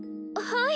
はい。